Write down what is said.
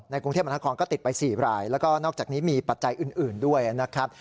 กรุงเทพมหานครก็ติดไป๔รายแล้วก็นอกจากนี้มีปัจจัยอื่นด้วยนะครับ